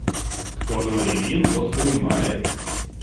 Кто дворянин, тот понимает.